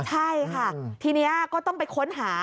ใช่ค่ะทีนี้ก็ต้องไปค้นหา